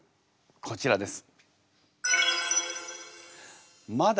こちらです。